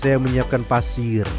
saya menyiapkan pasir